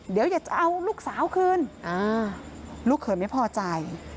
เดี๋ยวอยากจะเอาลูกสาวคืนลูกเขยไม่พอใจ